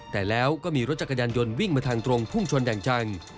แต่แล้วก็มีรถจักรยานยนต์วิ่งมาทางตรงพุ่งชนอย่างจัง